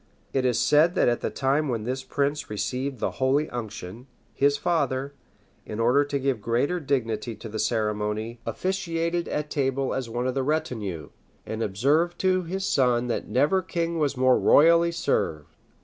It is said that at the time when this prince received the holy unction, his father, in order to give greater dignity to the ceremony, officiated at table as one of the retinue; and observed to his son that never king was more royally served.